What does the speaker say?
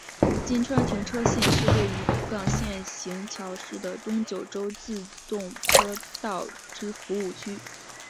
今川停车区是位于福冈县行桥市的东九州自动车道之服务区。